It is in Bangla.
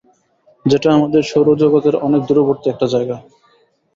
যেটা আমাদের সৌরজগতের অনেক দূরবর্তী একটা জায়গা!